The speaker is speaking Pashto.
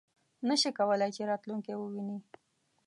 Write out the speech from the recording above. نه شي کولای چې راتلونکی وویني .